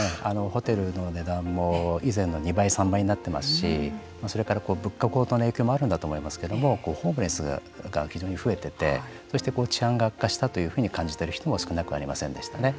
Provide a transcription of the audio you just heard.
ホテルの値段も以前の２倍３倍になってますしそれから物価高騰の影響もあるんだと思いますけれどもホームレスが非常に増えててそして、治安が悪化したと感じている人も少なくありませんでしたね。